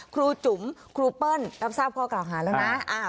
ครูจุ๋มครูเปิ้ลรับทราบข้อกล่าวหาแล้วนะ